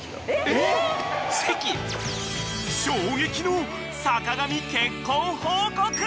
［衝撃の坂上結婚報告！］